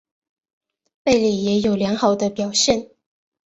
贝里也有良好的表现。